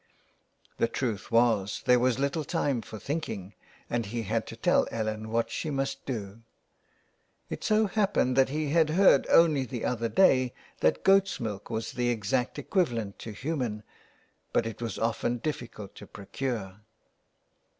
The truth was, there was little time for thinking, and he had to tell Ellen what she must do. It so happened that he had heard only the other day that goat's milk was the exact equivalent to human, but it was often difficult to procure.